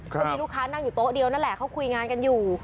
ก็มีลูกค้านั่งอยู่โต๊ะเดียวนั่นแหละเขาคุยงานกันอยู่